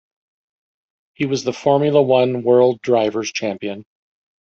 He was the Formula One World Drivers' Champion.